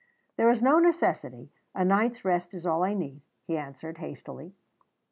"There is no necessity; a night's rest is all I need," he answered hastily.